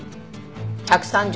１３０